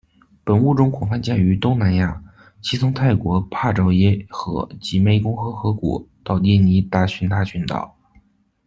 本物种广泛见于东南亚，其从泰国的昭拍耶河及湄公河河谷到印尼大巽他群岛。